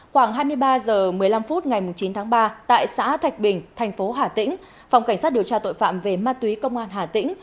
khoảng hai mươi ba h một mươi năm phút ngày chín tháng ba tại xã thạch bình thành phố hà tĩnh phòng cảnh sát điều tra tội phạm về ma túy công an hà tĩnh